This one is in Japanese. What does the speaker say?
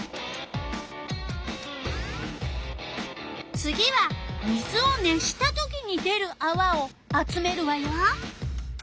次は水を熱したときに出るあわを集めるわよ。